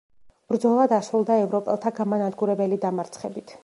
ბრძოლა დასრულდა ევროპელთა გამანადგურებელი დამარცხებით.